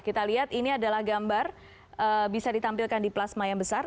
kita lihat ini adalah gambar bisa ditampilkan di plasma yang besar